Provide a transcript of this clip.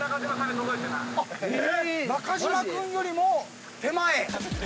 中島君よりも手前。